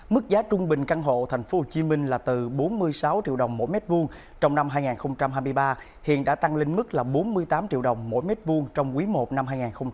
mức giá trung bình căn hộ tp hcm là từ bốn mươi sáu triệu đồng mỗi mét vuông trong năm hai nghìn hai mươi ba hiện đã tăng lên mức là bốn mươi tám triệu đồng mỗi mét vuông trong quý i năm hai nghìn hai mươi bốn